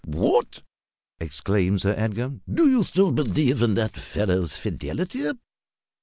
"What!" exclaimed Sir Edgar, "do you still believe in that fellow's fidelity?"